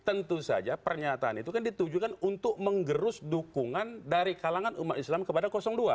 tentu saja pernyataan itu kan ditujukan untuk menggerus dukungan dari kalangan umat islam kepada dua